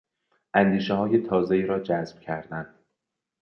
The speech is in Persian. اندیشههای تازهای را جذب کردن